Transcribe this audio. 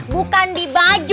bukan di baju